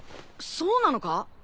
そうなのか！？